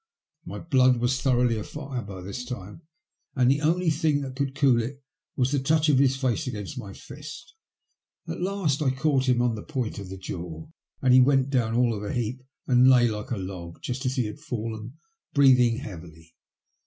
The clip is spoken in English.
My blood was thoroughly afire by this time, and the only thing that could cool it was the touch of his face against my fist. At last I caught him on the point of the jaw and he went down all of a heap and lay like a log, just as he had fallen, breathing heavily.